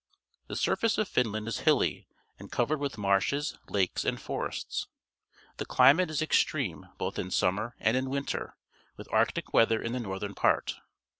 The surface of Finland is hilly and covered with marshes, lakes, and forests. The climate is extreme both in summer and in winter, with Arctic weather in the northern part.